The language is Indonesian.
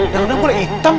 dangdang boleh hitam